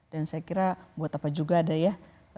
dan saya kira buat apa juga ada ya